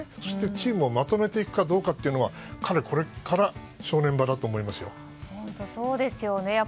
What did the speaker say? そしてチームをまとめていくかどうかというのは彼の、これから本当にそうですよね。